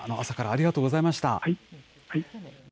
朝からありがとうございました。